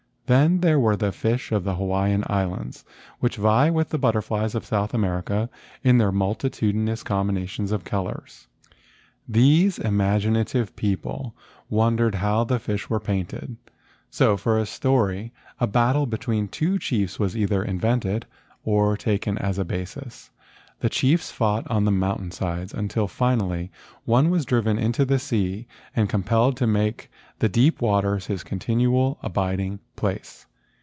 Then there were the fish of the Hawaiian Islands which vie with the butterflies of South America in their multi¬ tudinous combinations of colors. These im INTRODUCTION IX aginative people wondered how the fish were painted, so for a story a battle between two chiefs was either invented or taken as a basis. The chiefs fought on the mountain sides until finally one was driven into the sea and com¬ pelled to make the deep waters his continual abiding place.